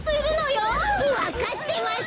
わかってます！